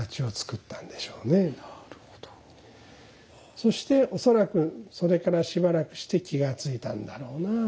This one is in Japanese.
そして恐らくそれからしばらくして気がついたんだろうなあ。